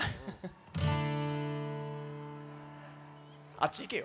あっちいけよ。